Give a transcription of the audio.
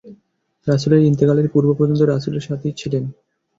রাসূলের ইন্তেকালের পূর্ব পর্যন্ত রাসূলের সাথেই ছিলেন।